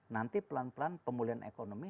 nanti pelan pelan pemulihan ekonomi